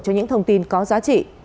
cho những thông tin có giá trị